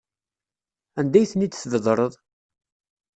Anda ay ten-id-tbedreḍ?